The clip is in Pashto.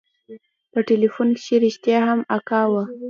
په ټېلفون کښې رښتيا هم اکا و.